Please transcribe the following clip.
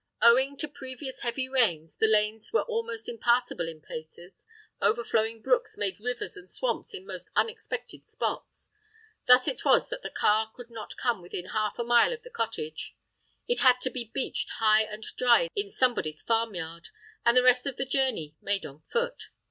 Owing to previous heavy rains, the lanes were almost impassable in places; overflowing brooks made rivers and swamps in most unexpected spots. Thus it was that the car could not come within half a mile of the cottage; it had to be "beached" high and dry in somebody's farmyard, and the rest of the journey made on foot.